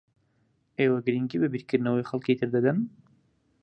ئێوە گرنگی بە بیرکردنەوەی خەڵکی تر دەدەن؟